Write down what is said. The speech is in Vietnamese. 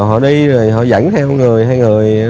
họ đi rồi họ dẫn theo người hay người